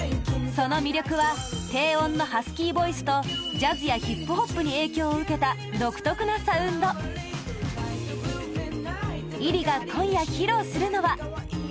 その魅力は低音のハスキーボイスとジャズやヒップホップに影響を受けた独特なサウンド ｉｒｉ が今夜、披露するのは